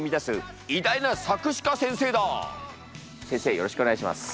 よろしくお願いします。